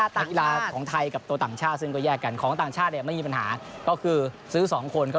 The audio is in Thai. ทีมชาตินักกีฬาต่างชาตินะครับ